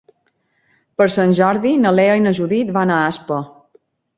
Per Sant Jordi na Lea i na Judit van a Aspa.